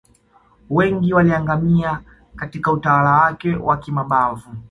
wengi waliangamia Katika utawala wake wa kimabavu